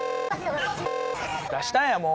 出したんやもう。